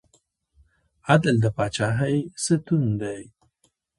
عدل د پاچاهۍ ستون دی